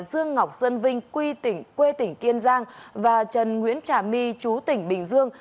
dương ngọc sơn vinh quê tỉnh kiên giang và trần nguyễn trả my chú tỉnh bình dương